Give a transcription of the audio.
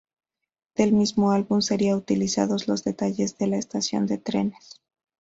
Del mismo álbum serían utilizados los detalles de la estación de trenes.